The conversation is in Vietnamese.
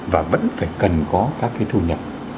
và vẫn phải cần có các cái thu nhập